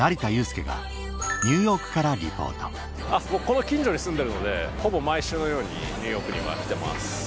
この近所に住んでるのでほぼ毎週のようにニューヨークには来てます。